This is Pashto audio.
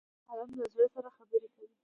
قلم له زړه سره خبرې کوي